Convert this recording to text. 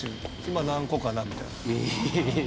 今、何個かなみたいな。